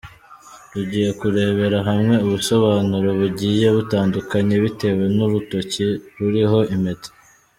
Tugiye kurebera hamwe ubusobanuro bugiye butandukanye bitewe n’urutoki ruriho impeta.